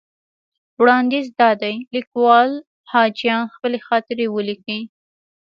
وړاندیز دا دی لیکوال حاجیان خپلې خاطرې ولیکي.